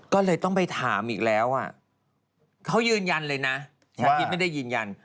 ก็เลยต้องไปถามอีกแล้วเขายืนยันเลยนะเมื่อกี้ไม่ได้ยืนยัน